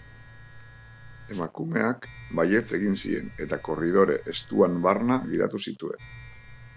Emakumeak baietz egin zien eta korridore estuan barna gidatu zituen.